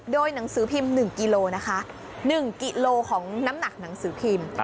โดยหนังสือพิมพ์๑กิโลนะคะ๑กิโลของน้ำหนักหนังสือพิมพ์